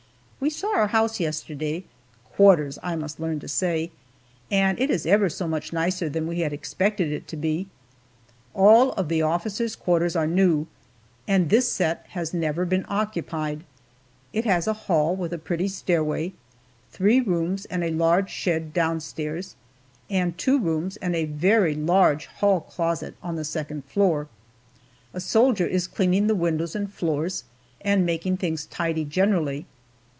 We saw our house yesterday quarters I must learn to say and it is ever so much nicer than we had expected it to be. All of the officers' quarters are new, and this set has never been occupied. It has a hall with a pretty stairway, three rooms and a large shed downstairs, and two rooms and a very large hall closet on the second floor. A soldier is cleaning the windows and floors, and making things tidy generally.